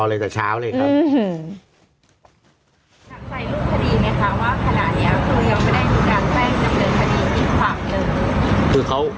ถังใส่คุณหนูอยู่พิวัติเนียนดูขึ้นกว่า